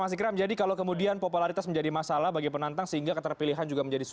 mas ikram jadi kalau kemudian popularitas menjadi masalah bagi penantang sehingga keterpilihan juga menjadi sulit